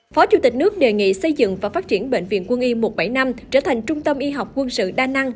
phó chủ tịch nước đề nghị xây dựng và phát triển bệnh viện quân y một trăm bảy mươi năm trở thành trung tâm y học quân sự đa năng